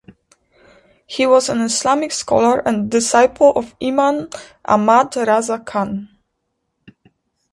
He was an Islamic scholar and disciple of Imam Ahmad Raza Khan.